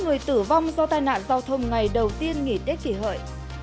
hai mươi một người tử vong do tai nạn giao thông ngày đầu tiên nghỉ tết kỷ hợi